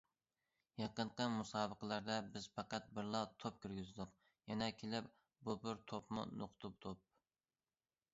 يېقىنقى مۇسابىقىلەردە بىز پەقەت بىرلا توپ كىرگۈزدۇق، يەنە كېلىپ بۇ بىر توپمۇ نۇقتا توپ.